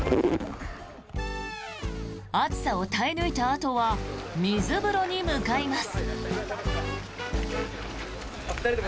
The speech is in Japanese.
暑さを耐え抜いたあとは水風呂に向かいます。